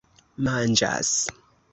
manĝas